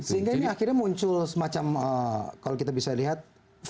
sehingga ini akhirnya muncul semacam kalau kita bisa lihat